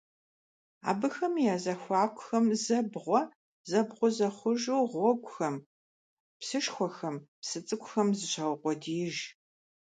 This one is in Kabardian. Абыхэм я зэхуакухэм зэ бгъуэ, зэ бгъузэ хъужу гъуэгухэм, псышхуэхэм, псы цӀыкӀухэм зыщаукъуэдииж.